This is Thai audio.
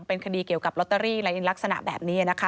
เป็นคดีเกี่ยวกับลอตเตอรี่อะไรลักษณะแบบนี้นะคะ